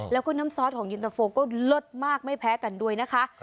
แล้วก็น้ำซอสของเย็นตะโฟก็เลิศมากไม่แพ้กันด้วยนะคะ